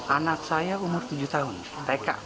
anak saya umur tujuh tahun tk